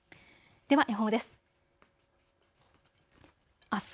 では予報です。